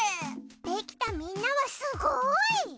できたみんなはすごい！